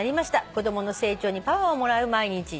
「子供の成長にパワーをもらう毎日です」